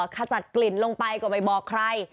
ขจัดกลิ่นลงไปก็ไม่บอกใคร